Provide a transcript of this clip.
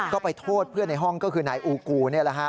ก็ไปโทษเพื่อนในห้องก็คือนายอูกูนี่แหละฮะ